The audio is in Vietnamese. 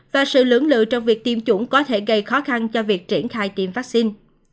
và sự lưỡng lự trong việc tiêm chủng có thể gây khó khăn cho việc triển khai tiêm vaccine